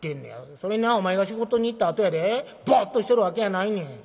それになお前が仕事に行ったあとやでぼっとしてるわけやないねん。